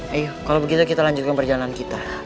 ayo kalau begitu kita lanjutkan perjalanan kita